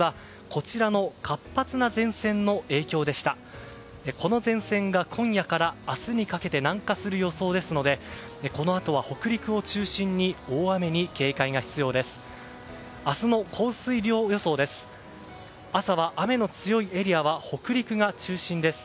この前線が今夜から明日にかけて南下する予想ですのでこのあとは北陸を中心に大雨に警戒が必要です。